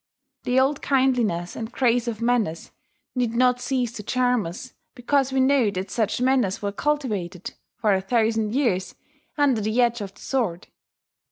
The old kindliness and grace of manners need not cease to charm us because we know that such manners were cultivated, for a thousand years, under the edge of the sword.